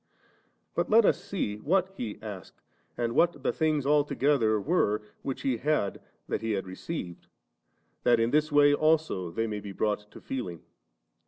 But let us see what He asked, and what the things altogether were which He said that He had received, that in this way also they may be brought to feeling.